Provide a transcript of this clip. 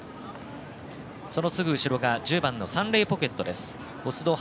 そのすぐ後ろが１０番サンレイポケットです。